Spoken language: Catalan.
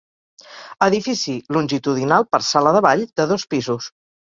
Edifici longitudinal per Sala de Ball, de dos pisos.